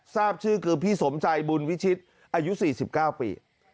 ทราบชื่อคือพี่สมใจบุญวิชิตอายุ๔๙ปี